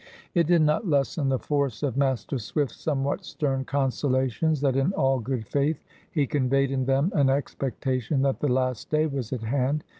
It did not lessen the force of Master Swift's somewhat stern consolations that in all good faith he conveyed in them an expectation that the Last Day was at hand.